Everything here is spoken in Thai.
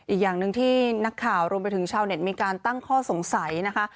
อีกอย่างหนึ่งที่นักข่าวรวมไปถึงชาวเน็ตมีการตั้งข้อสงสัยนะคะ